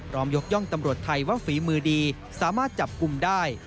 ยกย่องตำรวจไทยว่าฝีมือดีสามารถจับกลุ่มได้